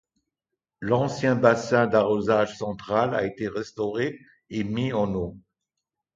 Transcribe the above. L’ancien bassin d’arrosage central a été restauré et mis en eau.